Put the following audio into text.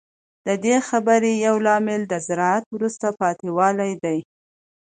د دې خبرې یو لامل د زراعت وروسته پاتې والی دی